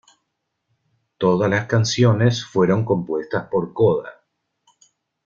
Todas las canciones fueron compuestas por Coda.